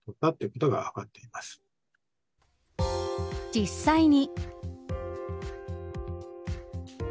実際に。